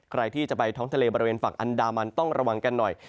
ใครที่จะไปท้องทะเลบริเวณฝั่งอันดามันต้องระวังกันหน่อย